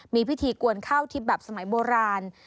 มีพิธีกวนข้าวทิพย์แบบสมัยโบราณ